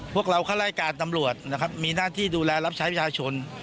พวกเราข้ารายการตำรวจนะครับมีหน้าที่ดูแลรับใช้ประชาชน